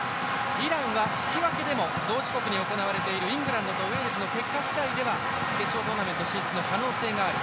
イランは引き分けでも同時刻に行われているイングランドとウェールズの結果次第では決勝トーナメント進出の可能性がある。